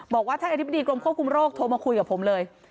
บอกว่าท่านอธิบดีกรมควบคุมโรคโทรมาคุยกับผมเลย